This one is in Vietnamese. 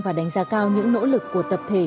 và đánh giá cao những nỗ lực của tập thể